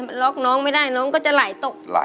มันล็อกน้องไม่ได้น้องก็จะไหลตก